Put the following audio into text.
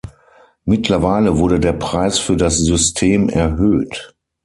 Mittlerweile wurde der Preis für das System erhöht.